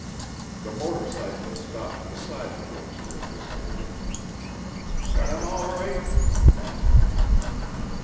The motor cyclist stopped beside the roadster at this moment. "Got him all right?" he asked.